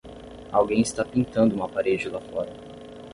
Alguém está pintando uma parede lá fora.